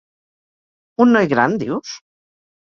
Un noi gran, dius?